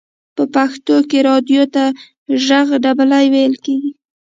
په پښتو کې رادیو ته ژغ ډبلی ویل کیږی.